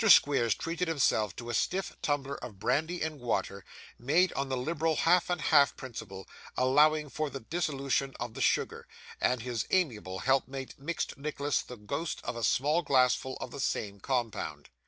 Squeers treated himself to a stiff tumbler of brandy and water, made on the liberal half and half principle, allowing for the dissolution of the sugar; and his amiable helpmate mixed Nicholas the ghost of a small glassful of the same compound.